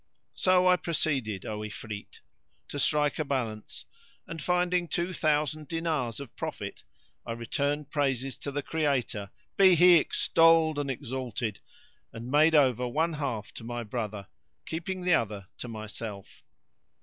"[FN#56] So I proceeded, O Ifrit, to strike a balance and, finding two thousand dinars of profit, I returned praises to the Creator (be He extolled and exalted!) and made over one half to my brother, keeping the other to myself.